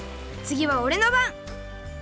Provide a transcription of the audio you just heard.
つぎはおれのばん！